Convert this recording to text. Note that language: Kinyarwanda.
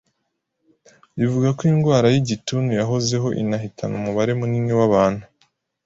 rivuga ko indwara y’igituntu yahozeho inahitana umubare munini w’abantu